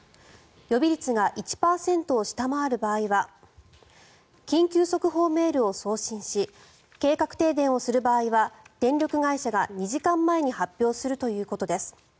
予備率が１％を下回る場合は緊急速報メールを送信し計画停電をする場合は電力会社が２時間前に発表するということです。